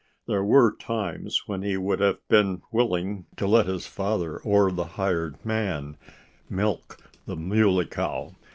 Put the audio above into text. There were times when he would have been willing to let his father, or the hired man, milk the Muley Cow.